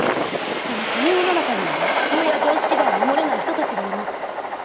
でもこの世の中には法や常識では守れない人たちがいます。